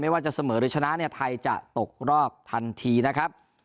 ว่าจะเสมอหรือชนะเนี่ยไทยจะตกรอบทันทีนะครับ